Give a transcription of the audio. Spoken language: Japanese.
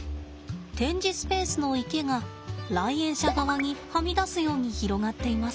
展示スペースの池が来園者側にはみ出すように広がっています。